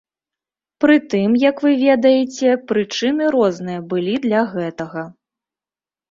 Прытым, як вы ведаеце, прычыны розныя былі для гэтага.